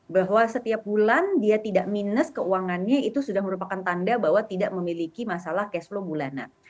bahwa setiap bulan dia tidak minus keuangannya itu sudah merupakan tanda bahwa tidak memiliki masalah cash flow bulanan